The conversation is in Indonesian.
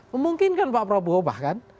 memungkinkan pak prabowo bahkan